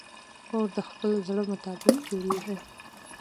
کور د خپل زړه مطابق جوړېږي.